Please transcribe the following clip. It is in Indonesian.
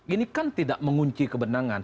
ini kan tidak mengunci kebenangan